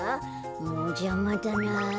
もうじゃまだなあ。